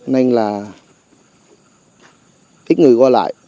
nên là ít người qua lại